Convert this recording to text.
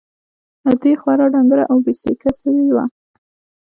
ادې خورا ډنگره او بې سېکه سوې وه.